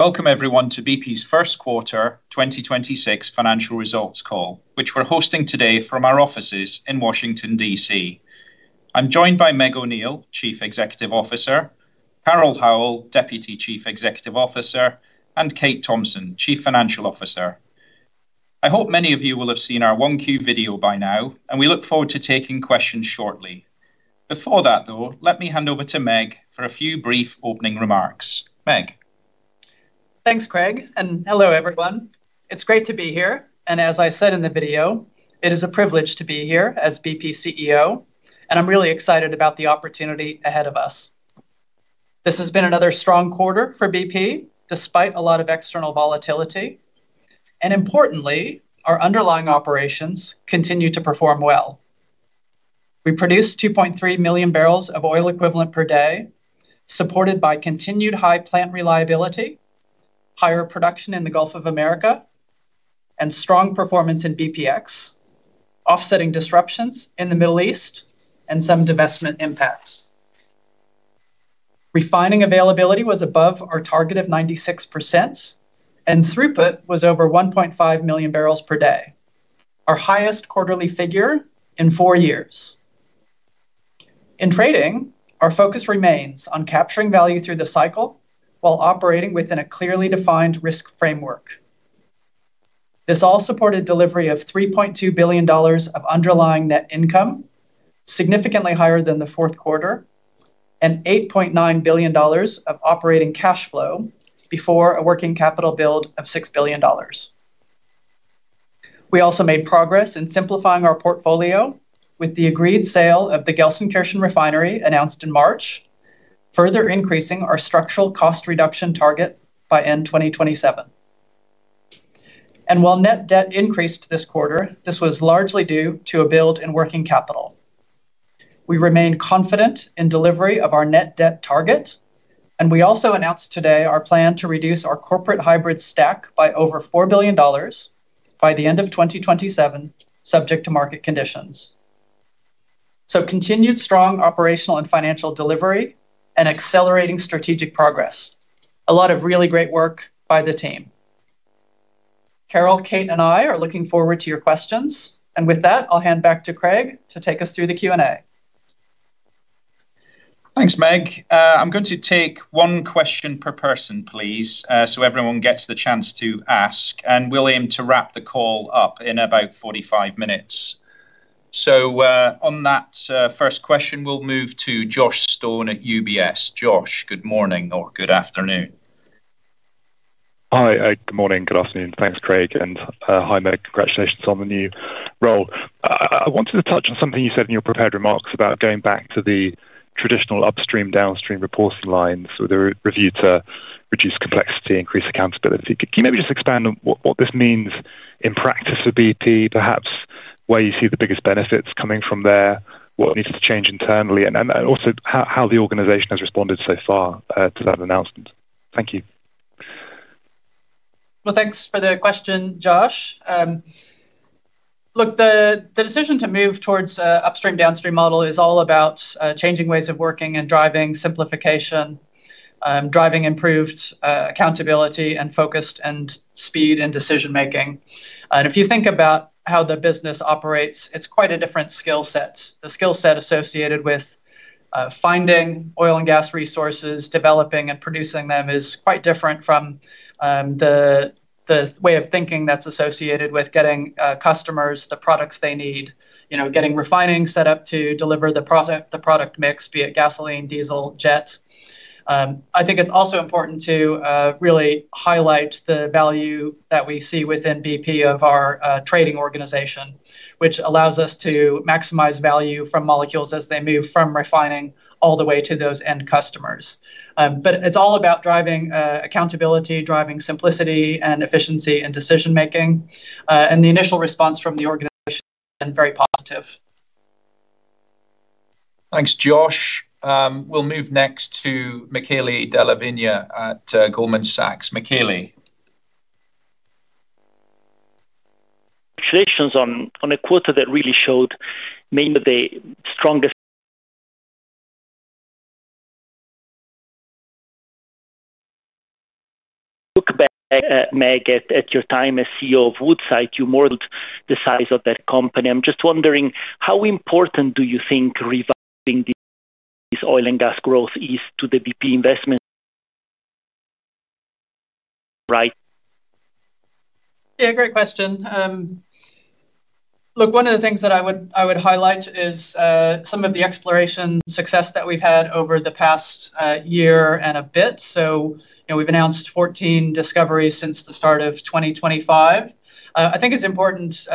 Welcome everyone to BP's Q1 2026 financial results call, which we're hosting today from our offices in Washington, D.C. I'm joined by Meg O'Neill, Chief Executive Officer, Carol Howle, Deputy Chief Executive Officer, and Kate Thomson, Chief Financial Officer. I hope many of you will have seen our 1Q video by now. We look forward to taking questions shortly. Before that, though, let me hand over to Meg for a few brief opening remarks. Meg O'Neill. Thanks, Craig, and hello everyone. It's great to be here, and as I said in the video, it is a privilege to be here as BP CEO, and I'm really excited about the opportunity ahead of us. This has been another strong quarter for BP, despite a lot of external volatility, and importantly, our underlying operations continue to perform well. We produced 2.3 million barrels of oil equivalent per day, supported by continued high plant reliability, higher production in the Gulf of Mexico, and strong performance in BPX, offsetting disruptions in the Middle East and some divestment impacts. Refining availability was above our target of 96%, and throughput was over 1.5 million barrels per day, our highest quarterly figure in 4 years. In trading, our focus remains on capturing value through the cycle while operating within a clearly defined risk framework. This all supported delivery of $3.2 billion of underlying net income, significantly higher than the Q4, and $8.9 billion of operating cash flow before a working capital build of $6 billion. We also made progress in simplifying our portfolio with the agreed sale of the Gelsenkirchen refinery announced in March, further increasing our structural cost reduction target by end 2027. While net debt increased this quarter, this was largely due to a build in working capital. We remain confident in delivery of our net debt target, and we also announced today our plan to reduce our corporate hybrid stack by over $4 billion by the end of 2027, subject to market conditions. Continued strong operational and financial delivery and accelerating strategic progress. A lot of really great work by the team. Carol, Kate, and I are looking forward to your questions. With that, I'll hand back to Craig to take us through the Q&A. Thanks, Meg. I am going to take one question per person, please, so everyone gets the chance to ask, and we will aim to wrap the call up in about 45 minutes. On that, first question, we will move to Joshua Stone at UBS. Joshua, good morning or good afternoon. Hi. Good morning, good afternoon. Thanks, Craig, and hi Meg. Congratulations on the new role. I wanted to touch on something you said in your prepared remarks about going back to the traditional upstream, downstream reporting lines with a re-review to reduce complexity, increase accountability. Can you maybe just expand on what this means in practice of BP, perhaps where you see the biggest benefits coming from there, what needs to change internally and also how the organization has responded so far to that announcement? Thank you. Thanks for the question, Joshua. Look, the decision to move towards upstream, downstream model is all about changing ways of working and driving simplification, driving improved accountability and focused and speed in decision-making. If you think about how the business operates, it's quite a different skill set. The skill set associated with finding oil and gas resources, developing and producing them is quite different from the way of thinking that's associated with getting customers the products they need. You know, getting refining set up to deliver the product mix, be it gasoline, diesel, jet. I think it's also important to really highlight the value that we see within BP of our trading organization, which allows us to maximize value from molecules as they move from refining all the way to those end customers. It's all about driving accountability, driving simplicity and efficiency in decision-making. The initial response from the organization has been very positive. Thanks, Josh. We'll move next to Michele Della Vigna at Goldman Sachs. Michele. Congratulations on a quarter that really showed. When we look back at Meg, at your time as CEO of Woodside, you more than doubled the size of that company. I'm just wondering, how important do you think reviving this oil and gas growth is to the BP investment thesis going forward? Great question. Look, one of the things that I would highlight is some of the exploration success that we've had over the past year and a bit. You know, we've announced 14 discoveries since the start of 2025. I think it's important,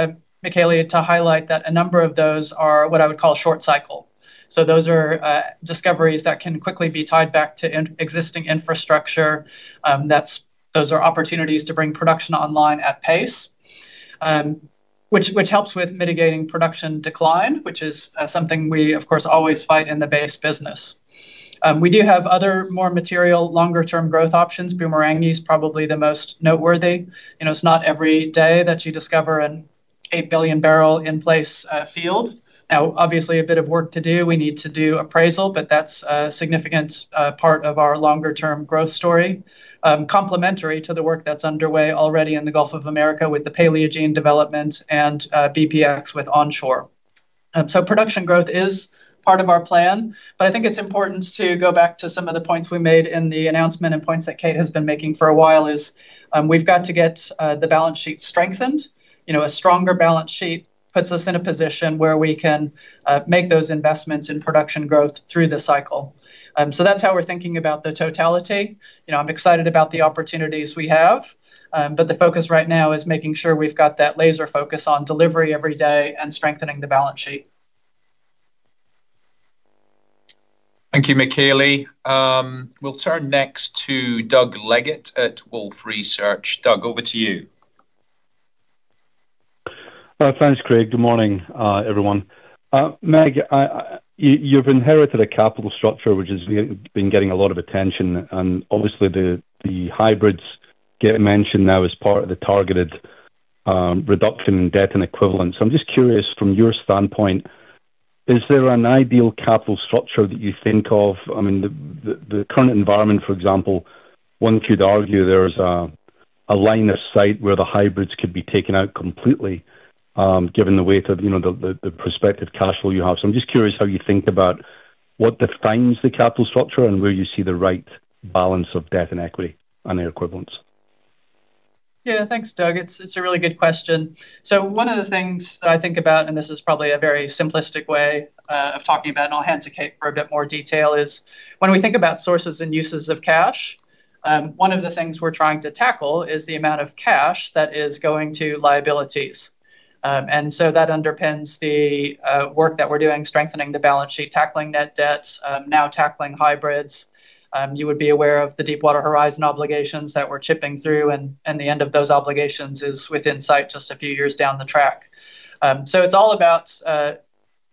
Michele, to highlight that a number of those are what I would call short cycle. Those are discoveries that can quickly be tied back to existing infrastructure. Those are opportunities to bring production online at pace, which helps with mitigating production decline, which is something we, of course, always fight in the base business. We do have other more material, longer-term growth options. Boomerang is probably the most noteworthy. You know, it's not every day that you discover an 8 billion barrel in place field. Now, obviously a bit of work to do. We need to do appraisal, that's a significant part of our longer term growth story. Complementary to the work that's underway already in the Gulf of Mexico with the Paleogene development and BPX with onshore. Production growth is part of our plan. I think it's important to go back to some of the points we made in the announcement and points that Kate has been making for a while is, we've got to get the balance sheet strengthened. You know, a stronger balance sheet puts us in a position where we can make those investments in production growth through the cycle. That's how we're thinking about the totality. You know, I'm excited about the opportunities we have, but the focus right now is making sure we've got that laser focus on delivery every day and strengthening the balance sheet. Thank you, Michele. We'll turn next to Doug Leggate at Wolfe Research. Doug, over to you. Thanks, Craig. Good morning, everyone. Meg, you've inherited a capital structure which has been getting a lot of attention. Obviously the hybrids get mentioned now as part of the targeted reduction in debt and equivalents. I'm just curious from your standpoint, is there an ideal capital structure that you think of? I mean the, the current environment for example, one could argue there is a line of sight where the hybrids could be taken out completely, given the weight of, you know, the, the prospective cash flow you have. I'm just curious how you think about what defines the capital structure and where you see the right balance of debt and equity and their equivalents. Thanks, Doug. It's a really good question. One of the things that I think about, and this is probably a very simplistic way of talking about it, and I'll hand to Kate for a bit more detail, is when we think about sources and uses of cash, one of the things we're trying to tackle is the amount of cash that is going to liabilities. That underpins the work that we're doing strengthening the balance sheet, tackling net debt, now tackling hybrids. You would be aware of the Deepwater Horizon obligations that we're chipping through, and the end of those obligations is within sight just a few years down the track. It's all about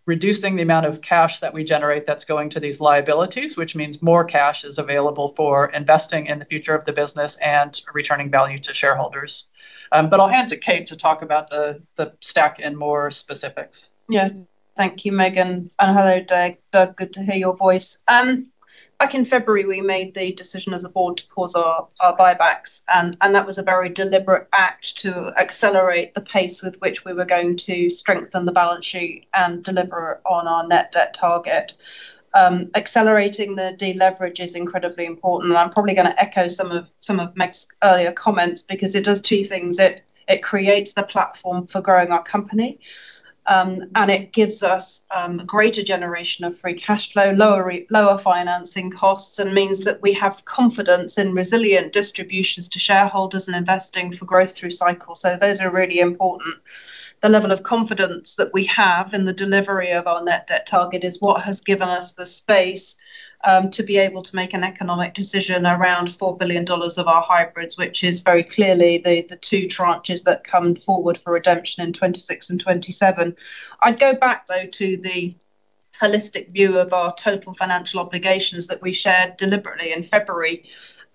reducing the amount of cash that we generate that's going to these liabilities, which means more cash is available for investing in the future of the business and returning value to shareholders. I'll hand to Kate to talk about the stack in more specifics. Thank you, Meg. Hello, Doug. Doug, good to hear your voice. Back in February, we made the decision as a board to pause our buybacks, and that was a very deliberate act to accelerate the pace with which we were going to strengthen the balance sheet and deliver on our net debt target. Accelerating the deleverage is incredibly important, and I'm probably gonna echo some of Meg's earlier comments because it does two things. It creates the platform for growing our company, and it gives us greater generation of free cash flow, lower financing costs, and means that we have confidence in resilient distributions to shareholders and investing for growth through cycles. Those are really important. The level of confidence that we have in the delivery of our net debt target is what has given us the space to be able to make an economic decision around $4 billion of our hybrids, which is very clearly the two tranches that come forward for redemption in '26 and '27. I'd go back, though, to the holistic view of our total financial obligations that we shared deliberately in February.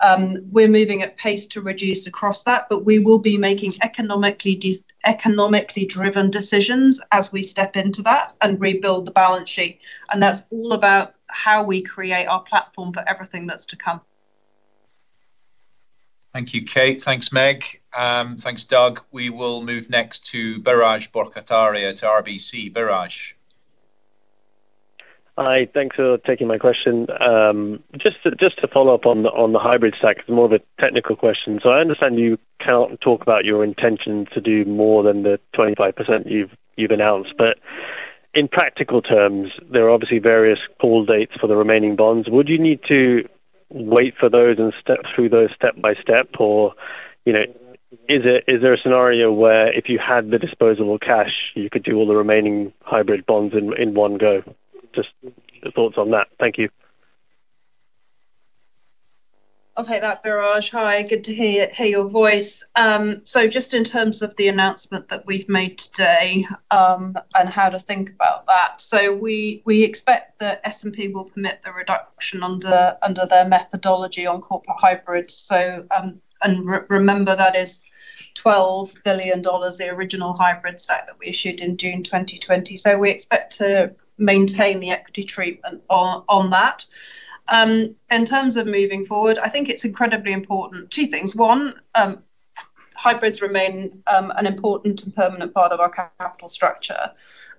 We're moving at pace to reduce across that, but we will be making economically driven decisions as we step into that and rebuild the balance sheet. That's all about how we create our platform for everything that's to come. Thank you, Kate Thomson. Thanks, Meg O'Neill. Thanks, Doug Leggate. We will move next to Biraj Borkhataria at RBC Capital Markets. Biraj. Hi. Thanks for taking my question. Just to follow up on the hybrid stack. It's more of a technical question. I understand you can't talk about your intention to do more than the 25% you've announced. In practical terms, there are obviously various call dates for the remaining bonds. Would you need to wait for those and step through those step by step or, you know, is there a scenario where if you had the disposable cash, you could do all the remaining hybrid bonds in one go? Just your thoughts on that. Thank you. I'll take that, Biraj. Hi, good to hear your voice. Just in terms of the announcement that we've made today, and how to think about that. We expect that S&P will permit the reduction under their methodology on corporate hybrids. Remember that is $12 billion, the original hybrid stack that we issued in June 2020. We expect to maintain the equity treatment on that. In terms of moving forward, I think it's incredibly important two things. One, hybrids remain an important and permanent part of our capital structure.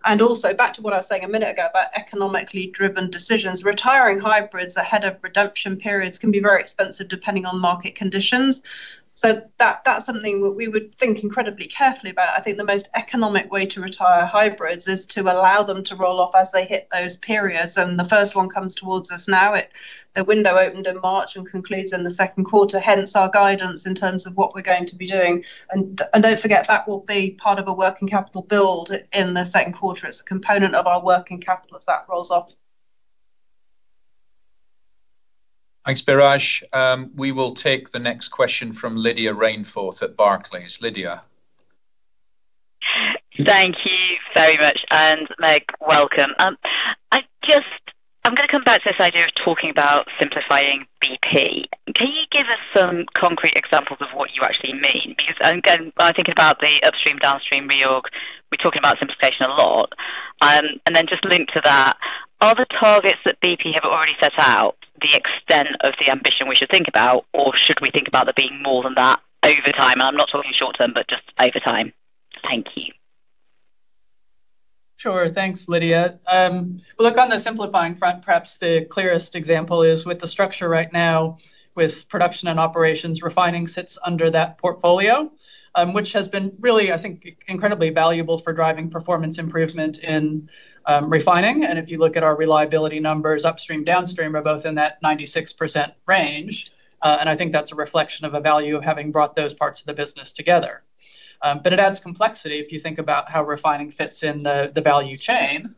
Also back to what I was saying a minute ago about economically driven decisions. Retiring hybrids ahead of redemption periods can be very expensive depending on market conditions. That's something we would think incredibly carefully about. I think the most economic way to retire hybrids is to allow them to roll off as they hit those periods. The first one comes towards us now. The window opened in March and concludes in the Q2, hence our guidance in terms of what we're going to be doing. Don't forget, that will be part of a working capital build in the Q2. It's a component of our working capital as that rolls off. Thanks, Biraj. We will take the next question from Lydia Rainforth at Barclays. Lydia. Thank you. Talking about simplifying BP. Can you give us some concrete examples of what you actually mean? Because again, when I think about the upstream, downstream reorg, we're talking about simplification a lot. Then just linked to that, are the targets that BP have already set out the extent of the ambition we should think about, or should we think about there being more than that over time? I'm not talking short term, but just over time. Thank you. Sure. Thanks, Lydia. Look, on the simplifying front, perhaps the clearest example is with the structure right now with production and operations, refining sits under that portfolio, which has been really, I think, incredibly valuable for driving performance improvement in refining. If you look at our reliability numbers, upstream, downstream are both in that 96% range. I think that's a reflection of a value of having brought those parts of the business together. It adds complexity if you think about how refining fits in the value chain.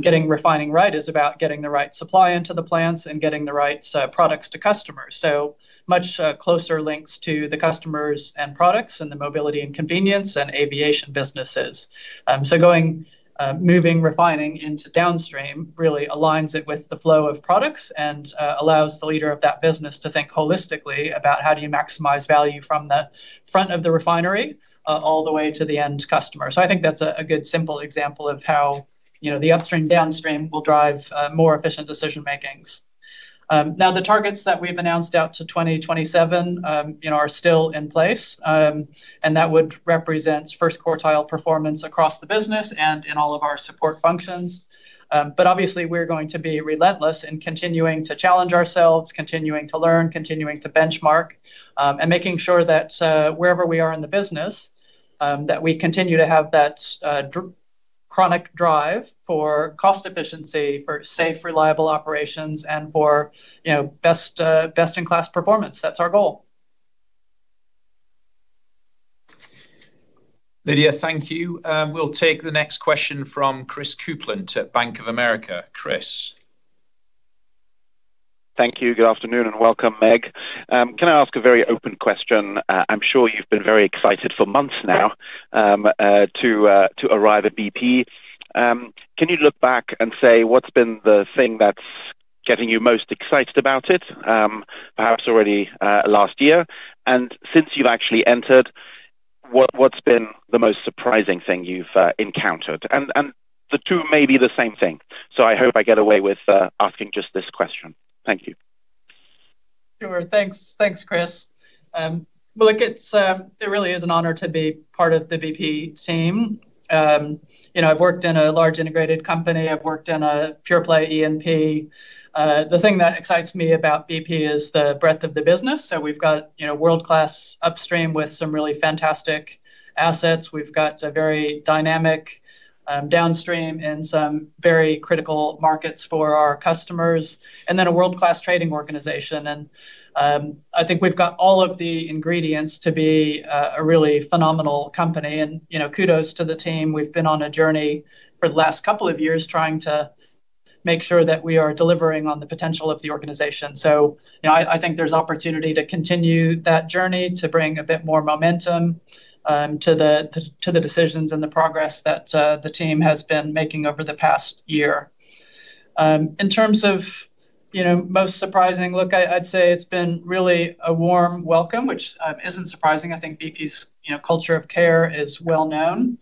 Getting refining right is about getting the right supply into the plants and getting the right products to customers. Much closer links to the customers and products and the mobility and convenience and aviation businesses. Going, moving refining into downstream really aligns it with the flow of products and allows the leader of that business to think holistically about how do you maximize value from the front of the refinery, all the way to the end customer. I think that's a good simple example of how, you know, the upstream, downstream will drive more efficient decision makings. Now, the targets that we've announced out to 2027, you know, are still in place. That would represent first quartile performance across the business and in all of our support functions. Obviously, we're going to be relentless in continuing to challenge ourselves, continuing to learn, continuing to benchmark, making sure that wherever we are in the business, that we continue to have that chronic drive for cost efficiency, for safe, reliable operations, and for, you know, best in class performance. That's our goal. Lydia, thank you. We'll take the next question from Christopher Kuplent at Bank of America. Chris. Thank you. Good afternoon and welcome, Meg. Can I ask a very open question? I'm sure you've been very excited for months now, to arrive at BP. Can you look back and say what's been the thing that's getting you most excited about it? Perhaps already last year. Since you've actually entered, what's been the most surprising thing you've encountered? The two may be the same thing. I hope I get away with asking just this question. Thank you. Sure. Thanks. Thanks, Christopher. Well, look, it's, it really is an honor to be part of the BP team. You know, I've worked in a large integrated company. I've worked in a pure play E&P. The thing that excites me about BP is the breadth of the business. We've got, you know, world-class upstream with some really fantastic assets. We've got a very dynamic, downstream in some very critical markets for our customers, and then a world-class trading organization. I think we've got all of the ingredients to be a really phenomenal company. You know, kudos to the team. We've been on a journey for the last couple of years trying to make sure that we are delivering on the potential of the organization. You know, I think there's opportunity to continue that journey, to bring a bit more momentum to the decisions and the progress that the team has been making over the past year. In terms of, you know, most surprising, look, I'd say it's been really a warm welcome, which isn't surprising. I think BP's, you know, culture of care is well known.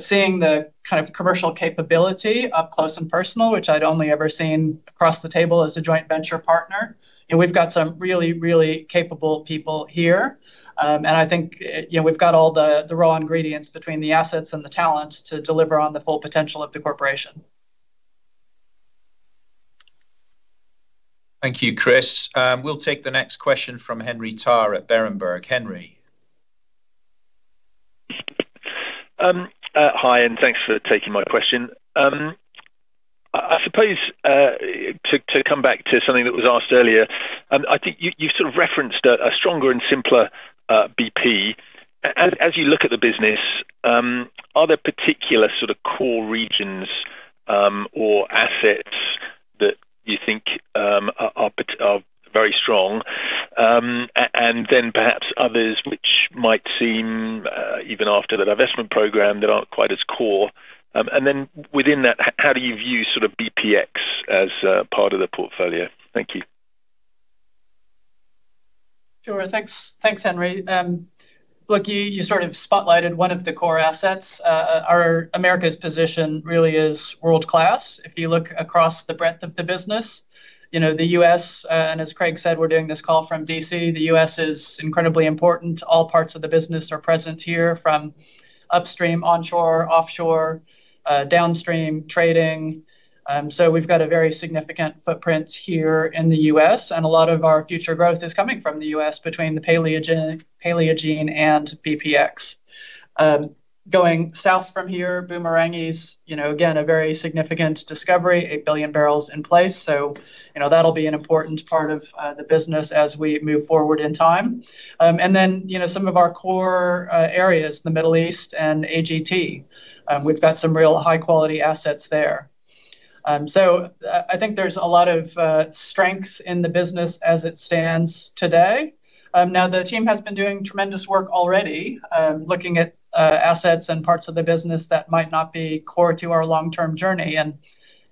Seeing the kind of commercial capability up close and personal, which I'd only ever seen across the table as a joint venture partner, and we've got some really capable people here. I think, you know, we've got all the raw ingredients between the assets and the talent to deliver on the full potential of the corporation. Thank you, Christopher. We'll take the next question from Henry Tarr at Berenberg. Henry. Hi, and thanks for taking my question. I suppose, to come back to something that was asked earlier, I think you sort of referenced a stronger and simpler BP. As you look at the business, are there particular sort of core regions, or assets that you think are very strong? Then perhaps others which might seem, even after the divestment program, that aren't quite as core. Then within that, how do you view sort of BPX as part of the portfolio? Thank you. Sure. Thanks. Thanks, Henry. Look, you sort of spotlighted one of the core assets. Our America's position really is world-class. If you look across the breadth of the business, you know, the U.S., and as Craig said, we're doing this call from D.C., the U.S. is incredibly important. All parts of the business are present here from upstream, onshore, offshore, downstream, trading. We've got a very significant footprint here in the U.S., and a lot of our future growth is coming from the U.S. between the Paleogene and BPX. Going south from here, Boomerang is, you know, again, a very significant discovery, 8 billion barrels in place. You know, that'll be an important part of the business as we move forward in time. You know, some of our core areas, the Middle East and GTA, we've got some real high quality assets there. I think there's a lot of strength in the business as it stands today. The team has been doing tremendous work already, looking at assets and parts of the business that might not be core to our long-term journey.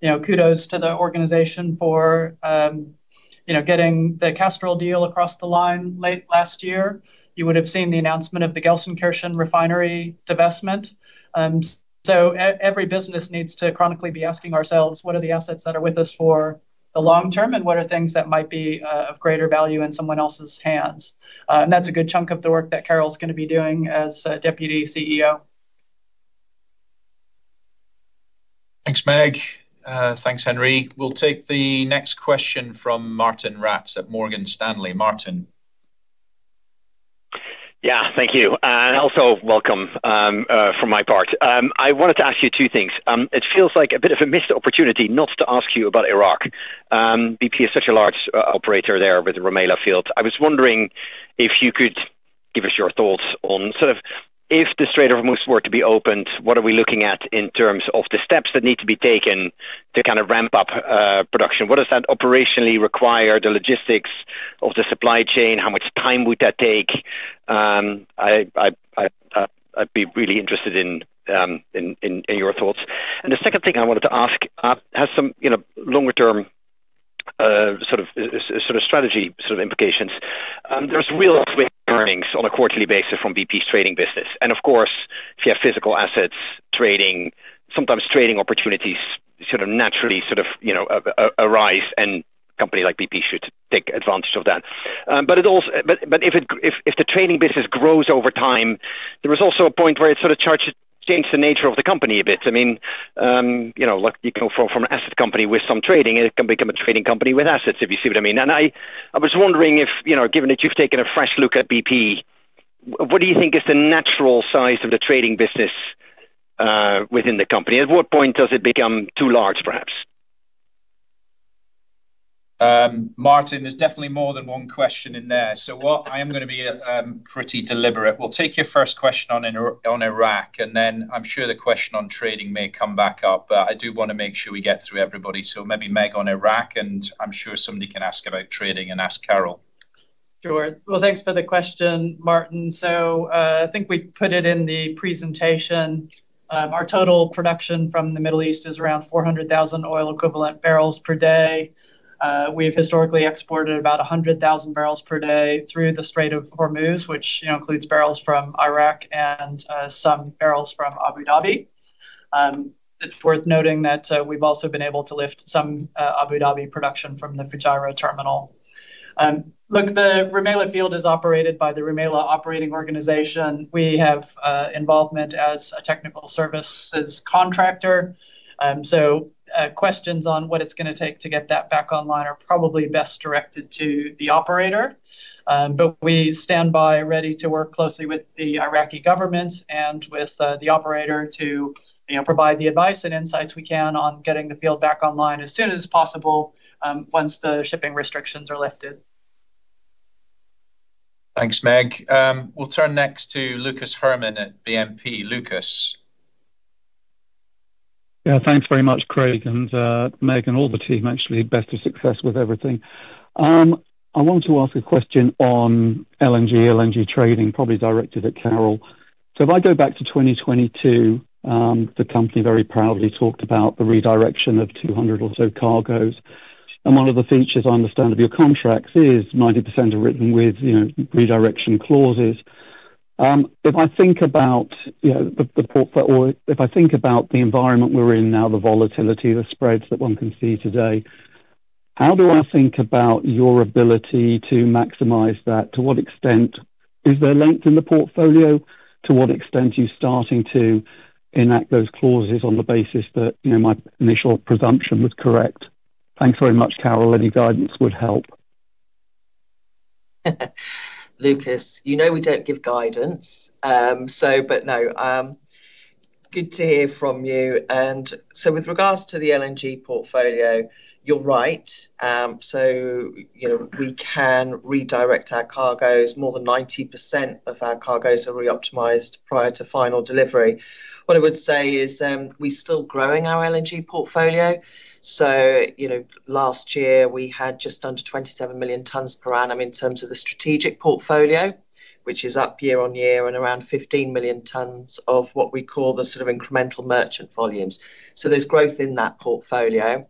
You know, kudos to the organization for, you know, getting the Castrol deal across the line late last year. You would have seen the announcement of the Gelsenkirchen refinery divestment. Every business needs to chronically be asking ourselves what are the assets that are with us for the long term, and what are things that might be of greater value in someone else's hands? That's a good chunk of the work that Carol Howle is gonna be doing as Deputy CEO. Thanks, Meg. Thanks, Henry. We'll take the next question from Martijn Rats at Morgan Stanley. Martijn. Yeah, thank you. Also welcome from my part. I wanted to ask you 2 things. It feels like a bit of a missed opportunity not to ask you about Iraq. BP is such a large operator there with the Rumaila field. I was wondering if you could give us your thoughts on sort of if the Strait of Hormuz were to be opened, what are we looking at in terms of the steps that need to be taken to kind of ramp up production? What does that operationally require, the logistics of the supply chain? How much time would that take? I'd be really interested in your thoughts. The second thing I wanted to ask has some, you know, longer term sort of strategy sort of implications. There's real earnings on a quarterly basis from BP's trading business. Of course, if you have physical assets, trading, sometimes trading opportunities sort of naturally sort of, you know, arise, and a company like BP should take advantage of that. If the trading business grows over time, there is also a point where it sort of change the nature of the company a bit. I mean, you know, like you can go from an asset company with some trading, and it can become a trading company with assets, if you see what I mean. I was wondering if, you know, given that you've taken a fresh look at BP, what do you think is the natural size of the trading business within the company? At what point does it become too large, perhaps? Martijn, there's definitely more than one question in there. What I am gonna be, pretty deliberate. We'll take your first question on Iraq, and then I'm sure the question on trading may come back up. I do wanna make sure we get through everybody. Maybe Meg on Iraq, and I'm sure somebody can ask about trading and ask Carol. Sure. Well, thanks for the question, Martijn. I think we put it in the presentation. Our total production from the Middle East is around 400,000 oil equivalent barrels per day. We've historically exported about 100,000 barrels per day through the Strait of Hormuz, which, you know, includes barrels from Iraq and some barrels from Abu Dhabi. It's worth noting that we've also been able to lift some Abu Dhabi production from the Fujairah Terminal. Look, the Rumaila oilfield is operated by the Rumaila Operating Organization. We have involvement as a technical services contractor. Questions on what it's gonna take to get that back online are probably best directed to the operator. We stand by ready to work closely with the Iraqi government and with the operator to, you know, provide the advice and insights we can on getting the field back online as soon as possible, once the shipping restrictions are lifted. Thanks, Meg. We'll turn next to Lucas Herrmann at BNP Paribas. Lucas. Thanks very much, Craig and Meg, and all the team, actually. Best of success with everything. I want to ask a question on LNG trading, probably directed at Carol. If I go back to 2022, the company very proudly talked about the redirection of 200 or so cargos. One of the features I understand of your contracts is 90% are written with, you know, redirection clauses. If I think about, you know, the environment we're in now, the volatility, the spreads that one can see today, how do I think about your ability to maximize that? To what extent is there length in the portfolio? To what extent are you starting to enact those clauses on the basis that, you know, my initial presumption was correct? Thanks very much, Carol. Any guidance would help. Lucas, you know we don't give guidance. But no, good to hear from you. With regards to the LNG portfolio, you're right. You know, we can redirect our cargos. More than 90% of our cargos are reoptimized prior to final delivery. What I would say is, we're still growing our LNG portfolio. You know, last year, we had just under 27 million tons per annum in terms of the strategic portfolio, which is up year-on-year and around 15 million tons of what we call the sort of incremental merchant volumes. There's growth in that portfolio.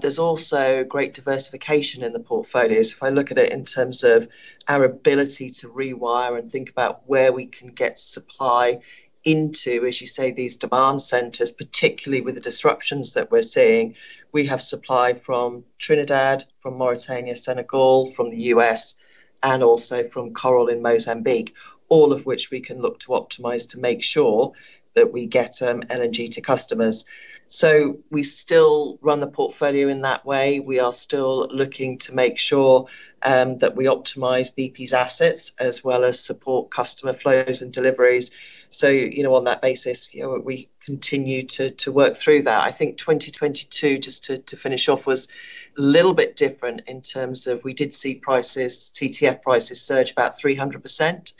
There's also great diversification in the portfolio. If I look at it in terms of our ability to rewire and think about where we can get supply into, as you say, these demand centers, particularly with the disruptions that we're seeing, we have supply from Trinidad, from Mauritania, Senegal, from the U.S., and also from Coral in Mozambique, all of which we can look to optimize to make sure that we get LNG to customers. We still run the portfolio in that way. We are still looking to make sure that we optimize BP's assets as well as support customer flows and deliveries. On that basis, you know, we continue to work through that. I think 2022, just to finish off, was a little bit different in terms of we did see prices, TTF prices surge about 300%.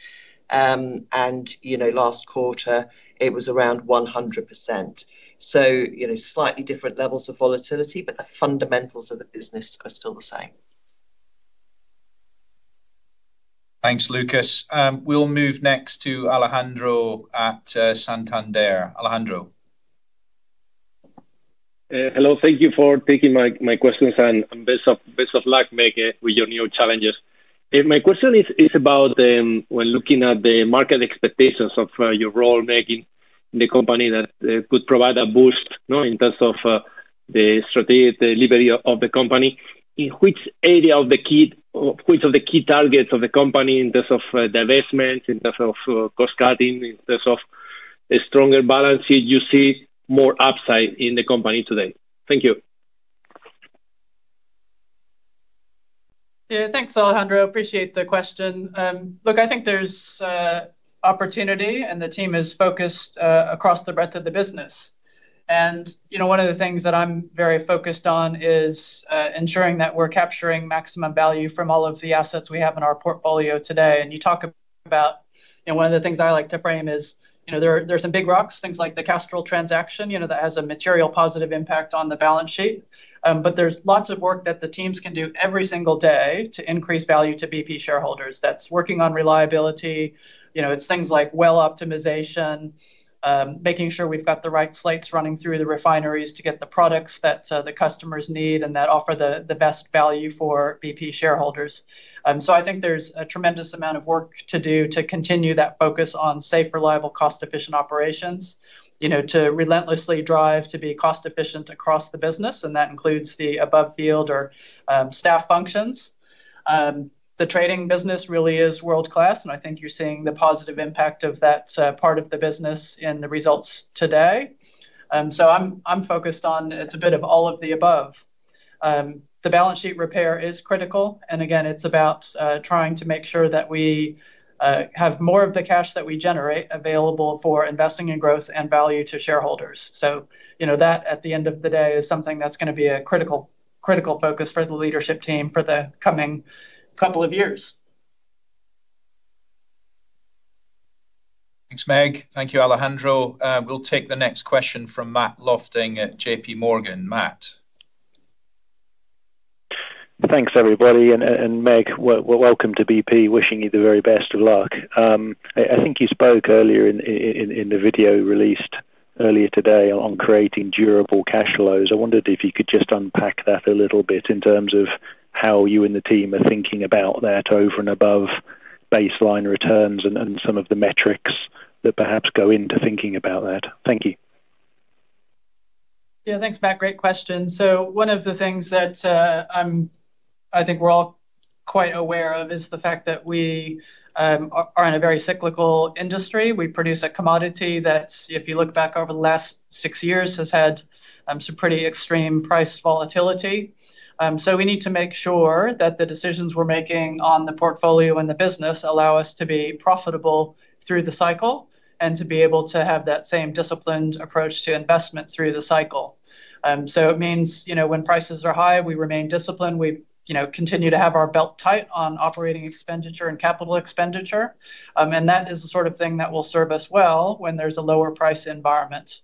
You know, last quarter, it was around 100%. You know, slightly different levels of volatility, but the fundamentals of the business are still the same. Thanks, Lucas. We'll move next to Alejandro at Santander. Alejandro. Hello. Thank you for taking my questions, and best of luck, Meg, with your new challenges. My question is about when looking at the market expectations of your role, Meg, in the company that could provide a boost, you know, in terms of the strategic delivery of the company. In which of the key targets of the company in terms of divestments, in terms of cost cutting, in terms of a stronger balance sheet you see more upside in the company today? Thank you. Yeah. Thanks, Alejandro. Appreciate the question. Look, I think there's opportunity, and the team is focused across the breadth of the business. You know, one of the things that I'm very focused on is ensuring that we're capturing maximum value from all of the assets we have in our portfolio today. You talk about, you know, one of the things I like to frame is, you know, there are some big rocks, things like the Castrol transaction, you know, that has a material positive impact on the balance sheet. There's lots of work that the teams can do every single day to increase value to BP shareholders. That's working on reliability. You know, it's things like well optimization, making sure we've got the right slates running through the refineries to get the products that the customers need and that offer the best value for BP shareholders. I think there's a tremendous amount of work to do to continue that focus on safe, reliable, cost-efficient operations, you know, to relentlessly drive to be cost efficient across the business, and that includes the above field or staff functions. The trading business really is world-class, and I think you're seeing the positive impact of that part of the business in the results today. I'm focused on it's a bit of all of the above. The balance sheet repair is critical, and again, it's about trying to make sure that we have more of the cash that we generate available for investing in growth and value to shareholders. You know, that, at the end of the day, is something that's going to be a critical focus for the leadership team for the coming couple of years. Thanks, Meg. Thank you, Alejandro. We'll take the next question from Matt Lofting at JPMorgan. Matt. Thanks, everybody, and Meg, welcome to BP. Wishing you the very best of luck. I think you spoke earlier in the video released earlier today on creating durable cash flows. I wondered if you could just unpack that a little bit in terms of how you and the team are thinking about that over and above baseline returns and some of the metrics that perhaps go into thinking about that. Thank you. Yeah. Thanks, Matt. Great question. One of the things that I think we're all quite aware of is the fact that we are in a very cyclical industry. We produce a commodity that, if you look back over the last 6 years, has had some pretty extreme price volatility. We need to make sure that the decisions we're making on the portfolio and the business allow us to be profitable through the cycle and to be able to have that same disciplined approach to investment through the cycle. It means, you know, when prices are high, we remain disciplined. We, you know, continue to have our belt tight on operating expenditure and capital expenditure. That is the sort of thing that will serve us well when there's a lower price environment.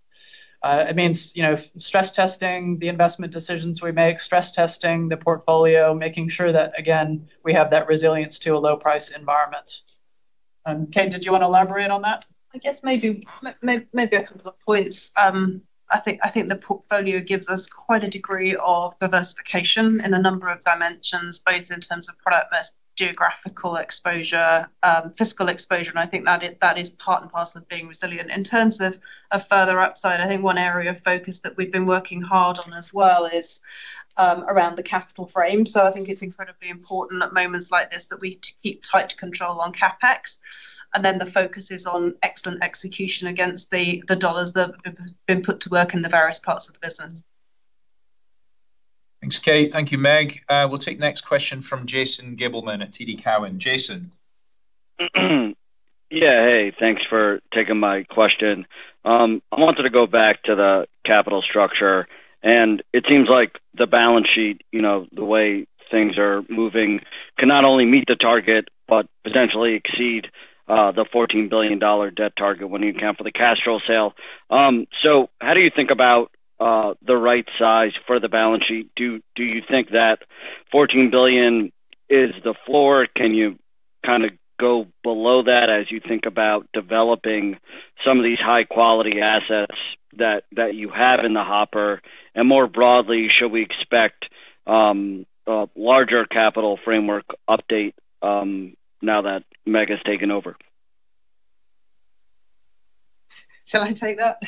It means, you know, stress testing the investment decisions we make, stress testing the portfolio, making sure that, again, we have that resilience to a low price environment. Kate, did you wanna elaborate on that? I guess maybe a couple of points. I think the portfolio gives us quite a degree of diversification in a number of dimensions, both in terms of product mix, geographical exposure, fiscal exposure, and I think that is part and parcel of being resilient. In terms of a further upside, I think one area of focus that we've been working hard on as well is around the capital frame. I think it's incredibly important at moments like this that we keep tight control on CapEx, and then the focus is on excellent execution against the dollars that have been put to work in the various parts of the business. Thanks, Kate. Thank you, Meg. We'll take the next question from Jason Gabelman at TD Cowen. Jason. Yeah. Hey. Thanks for taking my question. I wanted to go back to the capital structure, and it seems like the balance sheet, you know, the way things are moving can not only meet the target but potentially exceed the $14 billion debt target when you account for the Castrol sale. How do you think about the right size for the balance sheet? Do you think that $14 billion is the floor? Can you kinda go below that as you think about developing some of these high quality assets that you have in the hopper? More broadly, should we expect a larger capital framework update now that Meg has taken over? Shall I take that?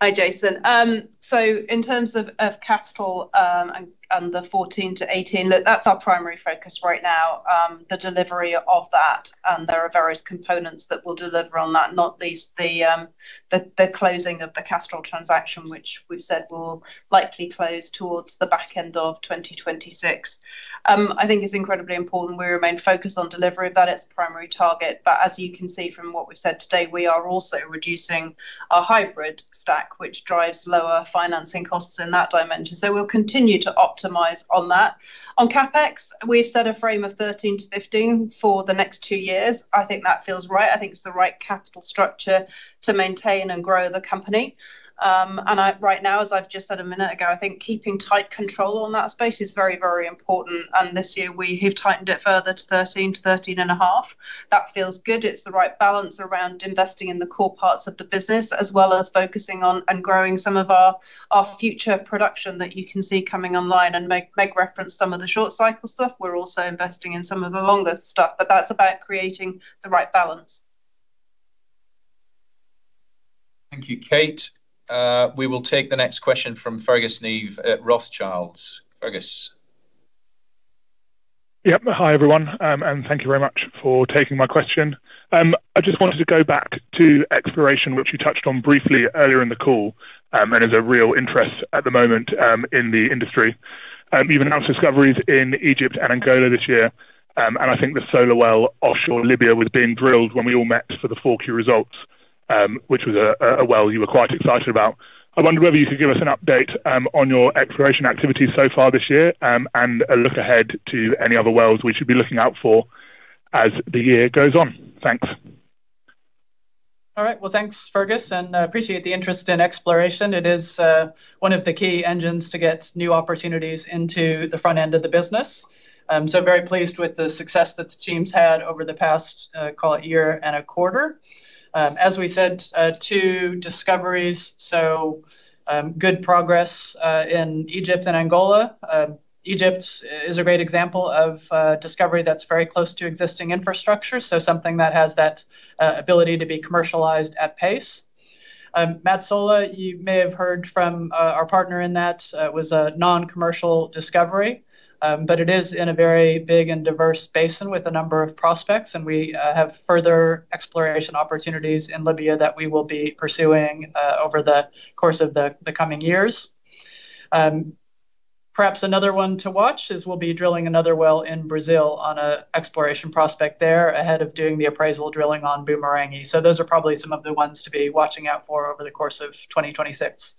Hi, Jason Gabelman. In terms of capital, and the $14 billion-$18 billion, look, that's our primary focus right now, the delivery of that, and there are various components that we'll deliver on that, not least the closing of the Castrol transaction, which we've said will likely close towards the back end of 2026. I think it's incredibly important we remain focused on delivery of that as the primary target. As you can see from what we've said today, we are also reducing our hybrid stack, which drives lower financing costs in that dimension. We'll continue to optimize on that. On CapEx, we've set a frame of $13 billion-$15 billion for the next 2 years. I think that feels right. I think it's the right capital structure to maintain and grow the company. I right now, as I've just said a minute ago, I think keeping tight control on that space is very, very important, and this year we have tightened it further to $13-$13.5. That feels good. It's the right balance around investing in the core parts of the business as well as focusing on and growing some of our future production that you can see coming online. Meg referenced some of the short cycle stuff. We're also investing in some of the longer stuff. That's about creating the right balance. Thank you, Kate. We will take the next question from Fergus Neve at Rothschild. Fergus. Yep. Hi, everyone. Thank you very much for taking my question. I just wanted to go back to exploration, which you touched on briefly earlier in the call, is a real interest at the moment in the industry. You've announced discoveries in Egypt and Angola this year. I think the Solar well offshore Libya was being drilled when we all met for the Q4 results, which was a well you were quite excited about. I wonder whether you could give us an update on your exploration activities so far this year, a look ahead to any other wells we should be looking out for as the year goes on. Thanks. All right. Well, thanks, Fergus. Appreciate the interest in exploration. It is one of the key engines to get new opportunities into the front end of the business. Very pleased with the success that the teams had over the past, call it year and a quarter. As we said, two discoveries, good progress in Egypt and Angola. Egypt is a great example of discovery that's very close to existing infrastructure, something that has that ability to be commercialized at pace. Matola, you may have heard from our partner in that, was a non-commercial discovery. It is in a very big and diverse basin with a number of prospects, and we have further exploration opportunities in Libya that we will be pursuing over the course of the coming years. Perhaps another one to watch is we'll be drilling another well in Brazil on a exploration prospect there ahead of doing the appraisal drilling on Boomerang. Those are probably some of the ones to be watching out for over the course of 2026.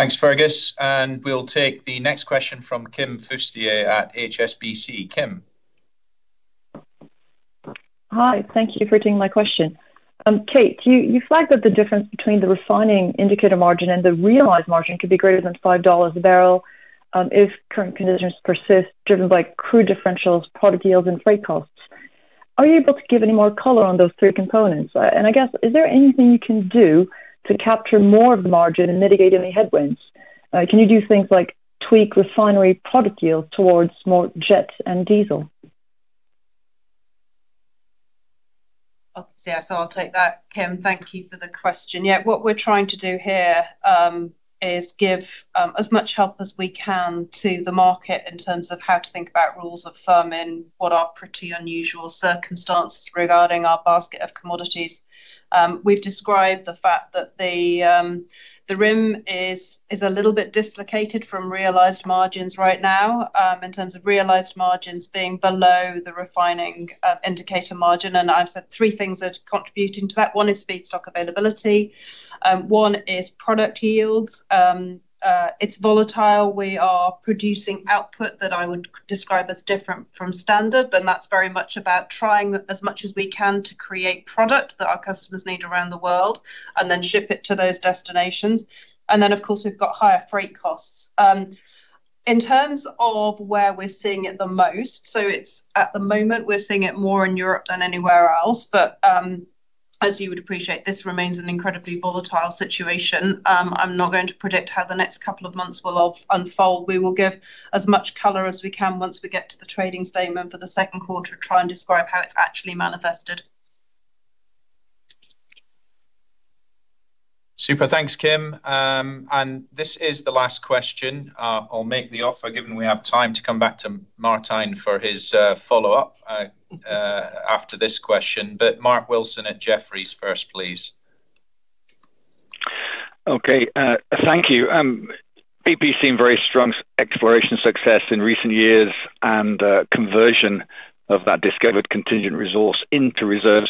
Thanks, Fergus. We'll take the next question from Kim Fustier at HSBC. Kim. Hi. Thank you for taking my question. Kate, you flagged that the difference between the Refining Indicator Margin and the realized margin could be greater than $5 a barrel if current conditions persist, driven by crude differentials, product yields, and freight costs. Are you able to give any more color on those three components? I guess, is there anything you can do to capture more of the margin and mitigate any headwinds? Can you do things like tweak refinery product yields towards more jets and diesel? Yeah. I'll take that, Kim. Thank you for the question. What we're trying to do here is give as much help as we can to the market in terms of how to think about rules of thumb in what are pretty unusual circumstances regarding our basket of commodities. We've described the fact that the RIM is a little bit dislocated from realized margins right now, in terms of realized margins being below the refining indicator margin. I've said three things are contributing to that. One is feedstock availability. One is product yields. It's volatile. We are producing output that I would describe as different from standard, that's very much about trying as much as we can to create product that our customers need around the world and then ship it to those destinations. Of course, we've got higher freight costs. In terms of where we're seeing it the most, it's at the moment, we're seeing it more in Europe than anywhere else. As you would appreciate, this remains an incredibly volatile situation. I'm not going to predict how the next couple of months will unfold. We will give as much color as we can once we get to the trading statement for the Q2 to try and describe how it's actually manifested. Super. Thanks, Kim. This is the last question. I'll make the offer, given we have time, to come back to Martijn for his follow-up after this question. Mark Wilson at Jefferies first, please. Okay. Thank you. BP's seen very strong exploration success in recent years and conversion of that discovered contingent resource into reserves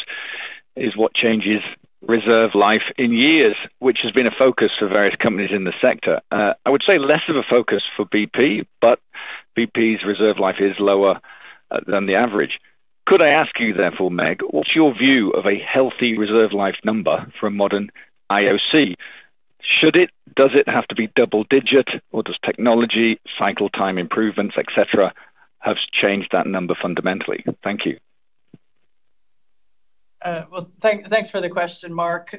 is what changes reserve life in years, which has been a focus for various companies in the sector. I would say less of a focus for BP, but BP's reserve life is lower than the average. Could I ask you therefore, Meg, what's your view of a healthy reserve life number for a modern IOC? Does it have to be double-digit or does technology, cycle time improvements, et cetera, have changed that number fundamentally? Thank you. Well, thanks for the question, Mark.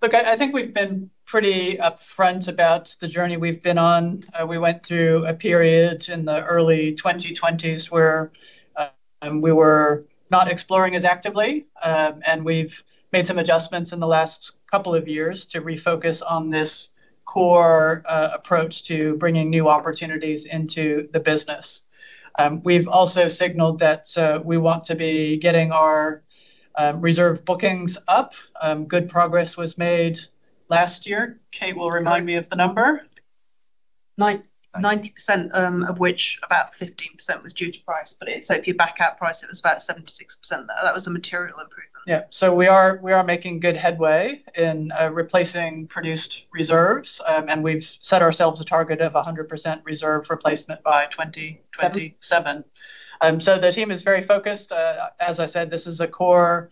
Look, I think we've been pretty upfront about the journey we've been on. We went through a period in the early 2020s where we were not exploring as actively. We've made some adjustments in the last couple of years to refocus on this core approach to bringing new opportunities into the business. We've also signaled that we want to be getting our reserve bookings up. Good progress was made last year. Kate will remind me of the number. 90%, of which about 15% was due to price. If you back out price, it was about 76% there. That was a material improvement. Yeah. We are making good headway in replacing produced reserves. We've set ourselves a target of 100% reserve replacement by 2027,. The team is very focused. As I said, this is a core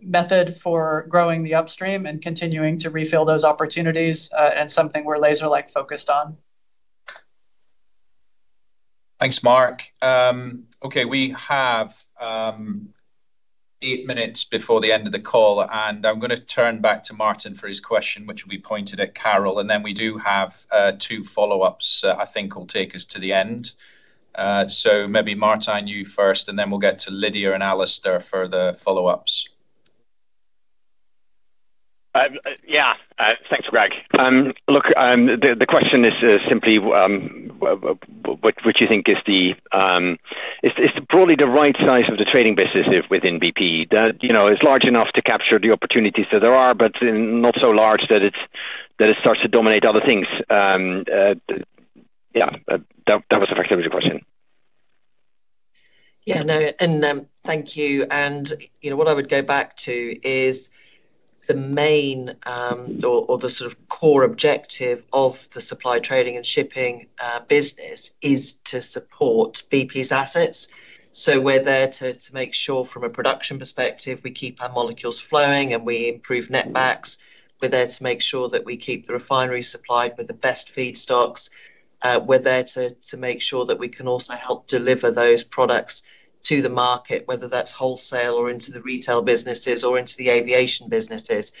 method for growing the upstream and continuing to refill those opportunities, and something we're laser-like focused on. Thanks, Mark. Okay, we have eight minutes before the end of the call, and I'm gonna turn back to Martijn for his question, which will be pointed at Carol. Then we do have two follow-ups, I think will take us to the end. Maybe Martijn, you first, and then we'll get to Lydia and Alastair the follow-ups. Yeah. Thanks, Craig. Look, the question is simply, which you think is broadly the right size of the trading business if within BP, you know, large enough to capture the opportunities that there are, but not so large that it starts to dominate other things. Yeah. That was effectively the question. Yeah. No. Thank you. You know, what I would go back to is the main, or the sort of core objective of the supply trading and shipping business is to support BP's assets. We're there to make sure from a production perspective we keep our molecules flowing, and we improve net backs. We're there to make sure that we keep the refineries supplied with the best feedstocks. We're there to make sure that we can also help deliver those products to the market, whether that's wholesale or into the retail businesses or into the aviation businesses.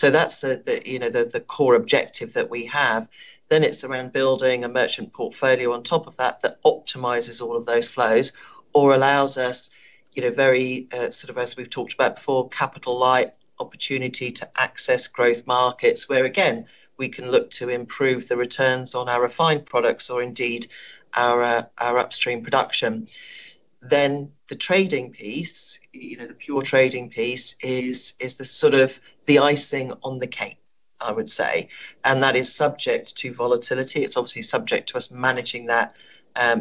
That's the, you know, the core objective that we have. It's around building a merchant portfolio on top of that optimizes all of those flows or allows us, you know, very, sort of, as we've talked about before, capital-light opportunity to access growth markets, where again, we can look to improve the returns on our refined products or indeed our upstream production. The trading piece, you know, the pure trading piece is the sort of the icing on the cake, I would say. That is subject to volatility. It's obviously subject to us managing that,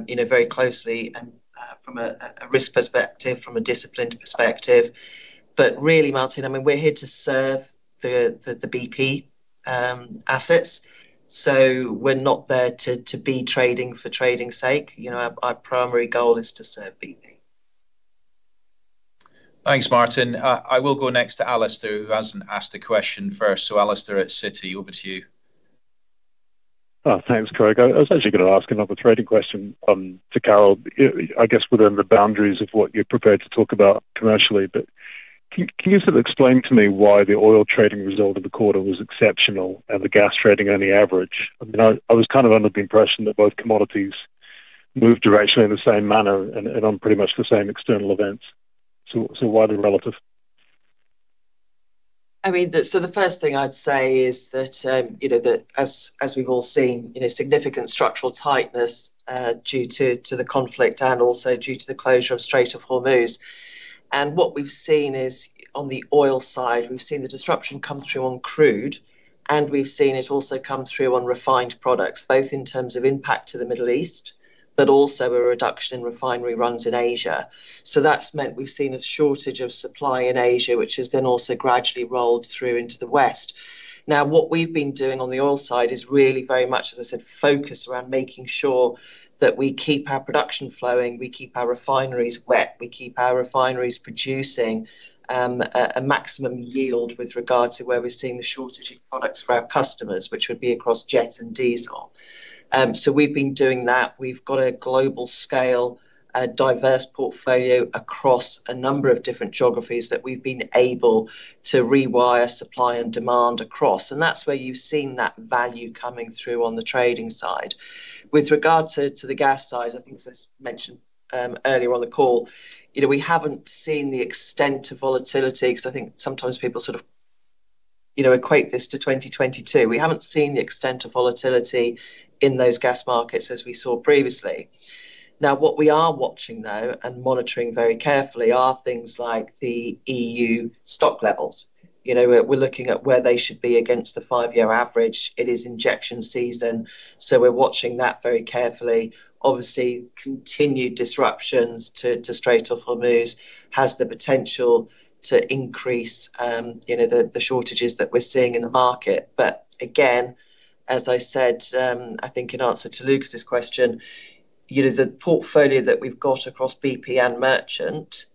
you know, very closely and from a risk perspective, from a disciplined perspective. Really, Martijn, I mean, we're here to serve the BP assets. We're not there to be trading for trading's sake. You know, our primary goal is to serve BP. Thanks, Martijn. I will go next to Alastair, who hasn't asked a question first. Alastair at Citi, over to you. Thanks, Craig Marshall. I was actually gonna ask another trading question to Carol Howle, I guess within the boundaries of what you're prepared to talk about commercially. Can you sort of explain to me why the oil trading result of the quarter was exceptional and the gas trading only average? I mean, I was kind of under the impression that both commodities moved directionally in the same manner and on pretty much the same external events. Why the relative? I mean, the first thing I'd say is that, you know, as we've all seen, you know, significant structural tightness due to the conflict and also due to the closure of Strait of Hormuz. What we've seen is, on the oil side, we've seen the disruption come through on crude, and we've seen it also come through on refined products, both in terms of impact to the Middle East, but also a reduction in refinery runs in Asia. That's meant we've seen a shortage of supply in Asia, which has then also gradually rolled through into the West. What we've been doing on the oil side is really very much, as I said, focus around making sure that we keep our production flowing, we keep our refineries wet, we keep our refineries producing, a maximum yield with regard to where we're seeing the shortage of products for our customers, which would be across jet and diesel. We've been doing that. We've got a global scale, a diverse portfolio across a number of different geographies that we've been able to rewire supply and demand across, and that's where you've seen that value coming through on the trading side. With regards to the gas side, I think as I mentioned, earlier on the call, you know, we haven't seen the extent of volatility, 'cause I think sometimes people sort of, you know, equate this to 2022. We haven't seen the extent of volatility in those gas markets as we saw previously. What we are watching, though, and monitoring very carefully are things like the EU stock levels. You know, we're looking at where they should be against the five-year average. It is injection season, we're watching that very carefully. Continued disruptions to Strait of Hormuz has the potential to increase, you know, the shortages that we're seeing in the market. Again, as I said, I think in answer to Lucas's question, you know, the portfolio that we've got across BP and merchant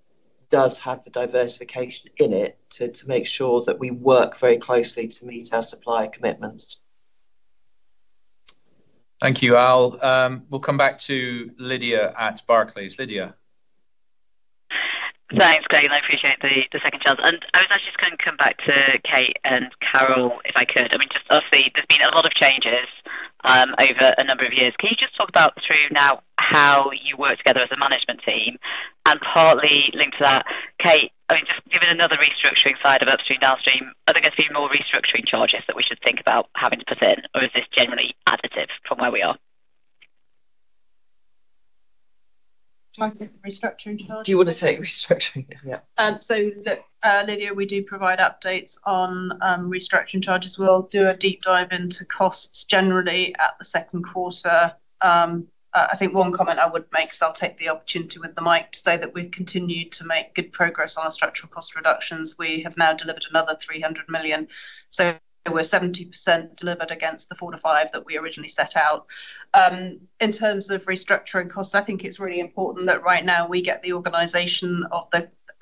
does have the diversification in it to make sure that we work very closely to meet our supply commitments. Thank you all. We'll come back to Lydia at Barclays. Lydia? Thanks, Craig. I appreciate the second chance. I was actually just gonna come back to Kate and Carol, if I could. I mean, just obviously there's been a lot of changes over a number of years. Can you just talk about through now how you work together as a management team? Partly linked to that, Kate, I mean, just given another restructuring side of upstream, downstream, are there gonna be more restructuring charges that we should think about having to put in, or is this generally additive from where we are? Do you want me to take the restructuring charge? Do you wanna take restructuring? Yeah. Lydia, we do provide updates on restructuring charges. We'll do a deep dive into costs generally at the Q2. I think one comment I would make, so I'll take the opportunity with the mic to say that we've continued to make good progress on our structural cost reductions. We have now delivered another $300 million. We're 70% delivered against the $400 million to $500 million that we originally set out. In terms of restructuring costs, I think it's really important that right now we get the organization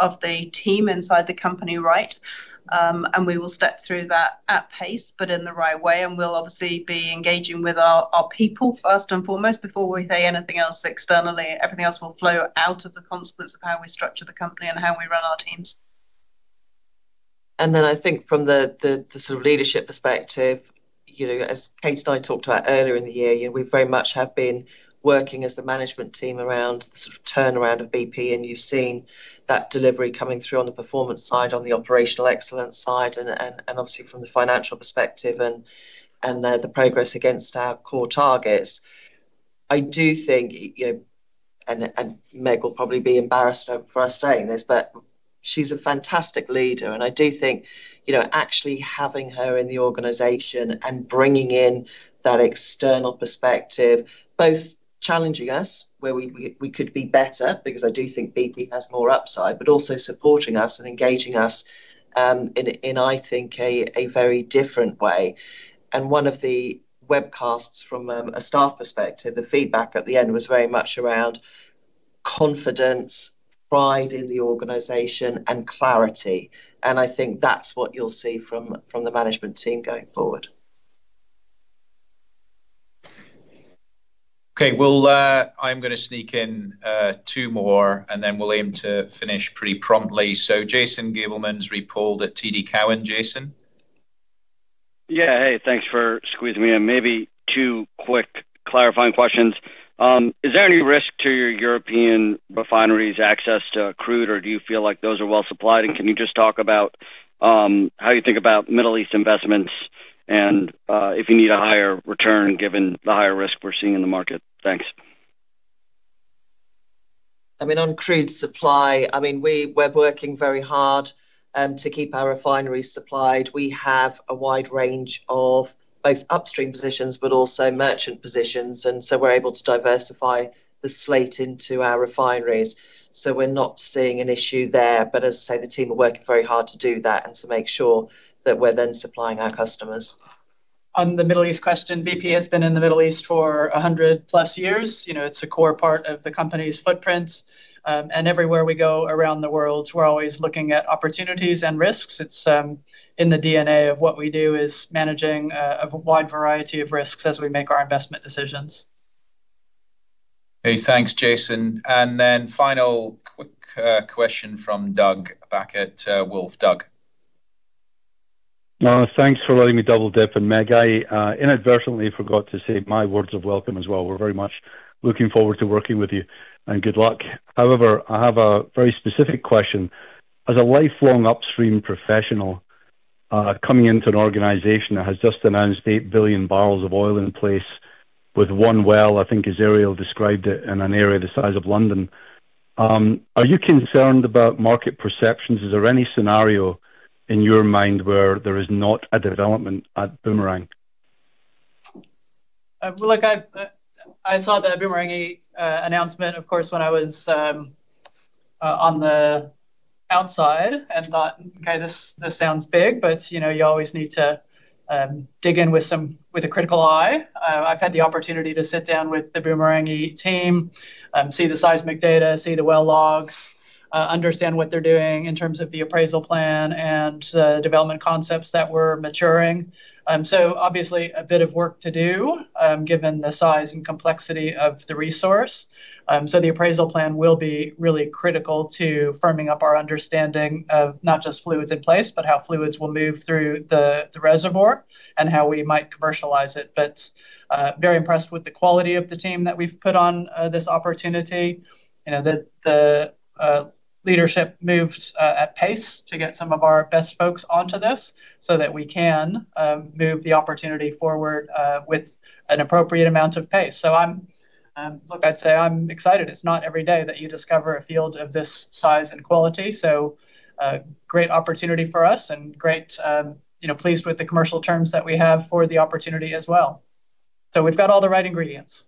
of the team inside the company right. And we will step through that at pace, but in the right way, and we'll obviously be engaging with our people first and foremost before we say anything else externally. Everything else will flow out of the consequence of how we structure the company and how we run our teams. I think from the sort of leadership perspective, you know, as Kate and I talked about earlier in the year, you know, we very much have been working as the management team around the sort of turnaround of BP, and you've seen that delivery coming through on the performance side, on the operational excellence side and obviously from the financial perspective and the progress against our core targets. I do think, you know, Meg will probably be embarrassed for us saying this, but she's a fantastic leader. I do think, you know, actually having her in the organization and bringing in that external perspective, both challenging us where we could be better because I do think BP has more upside, but also supporting us and engaging us in a, I think a very different way. One of the webcasts from a staff perspective, the feedback at the end was very much around confidence, pride in the organization and clarity, and I think that's what you'll see from the management team going forward. Okay. We'll I'm gonna sneak in two more and then we'll aim to finish pretty promptly. Jason Gabelman's re-pooled at TD Cowen. Jason? Yeah. Hey, thanks for squeezing me in. Maybe two quick clarifying questions. Is there any risk to your European refineries access to crude, or do you feel like those are well supplied? Can you just talk about how you think about Middle East investments and if you need a higher return given the higher risk we're seeing in the market? Thanks. I mean, on crude supply, I mean, we're working very hard to keep our refineries supplied. We have a wide range of both upstream positions, but also merchant positions, we're able to diversify the slate into our refineries. We're not seeing an issue there, but as I say, the team are working very hard to do that and to make sure that we're then supplying our customers. On the Middle East question, BP has been in the Middle East for 100+ years. You know, it's a core part of the company's footprint. Everywhere we go around the world, we're always looking at opportunities and risks. It's in the DNA of what we do, is managing a wide variety of risks as we make our investment decisions. Hey, thanks, Jason. Then final quick question from Doug back at Wolfe. Doug? Thanks for letting me double-dip. Meg, I inadvertently forgot to say my words of welcome as well. We're very much looking forward to working with you, and good luck. However, I have a very specific question. As a lifelong upstream professional, coming into an organization that has just announced 8 billion barrels of oil in place with 1 well, I think as Ariel Flores described it, in an area the size of London, are you concerned about market perceptions? Is there any scenario in your mind where there is not a development at Boomerang? Well, look, I've, I saw the Boomerang announcement of course when I was on the outside and thought, "Okay, this sounds big," you know, you always need to dig in with a critical eye. I've had the opportunity to sit down with the Boomerang team, see the seismic data, see the well logs, understand what they're doing in terms of the appraisal plan and development concepts that we're maturing. Obviously a bit of work to do given the size and complexity of the resource. The appraisal plan will be really critical to firming up our understanding of not just fluids in place, but how fluids will move through the reservoir and how we might commercialize it. Very impressed with the quality of the team that we've put on this opportunity. You know, the leadership moved at pace to get some of our best folks onto this so that we can move the opportunity forward with an appropriate amount of pace. Look, I'd say I'm excited. It's not every day that you discover a field of this size and quality, great opportunity for us and great, you know, pleased with the commercial terms that we have for the opportunity as well. We've got all the right ingredients.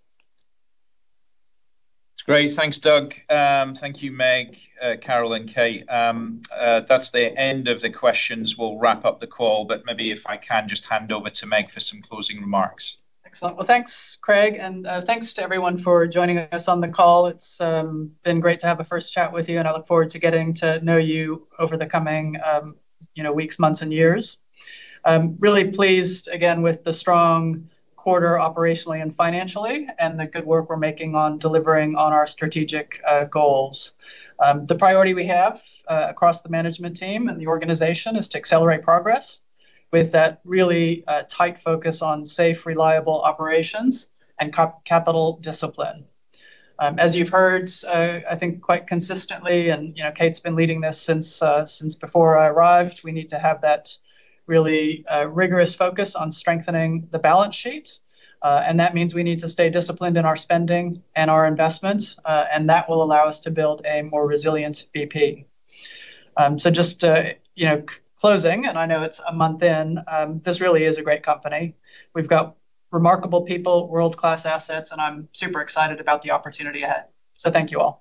That's great. Thanks, Doug. Thank you, Meg, Carol, and Kate. That's the end of the questions. We'll wrap up the call, but maybe if I can just hand over to Meg for some closing remarks. Thanks, Craig, and thanks to everyone for joining us on the call. It's been great to have a first chat with you, and I look forward to getting to know you over the coming, you know, weeks, months, and years. I'm really pleased again with the strong quarter operationally and financially and the good work we're making on delivering on our strategic goals. The priority we have across the management team and the organization is to accelerate progress with that really tight focus on safe, reliable operations and capital discipline. As you've heard, I think quite consistently and, you know, Kate's been leading this since before I arrived, we need to have that really rigorous focus on strengthening the balance sheet. That means we need to stay disciplined in our spending and our investment, that will allow us to build a more resilient BP. Just to, you know, closing, and I know it's a month in, this really is a great company. We've got remarkable people, world-class assets, and I'm super excited about the opportunity ahead. Thank you all.